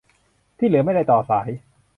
ที่เหลือไม่ได้ต่อสาย